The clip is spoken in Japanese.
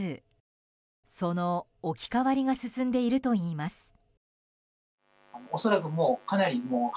その置き換わりが進んでいるといいます。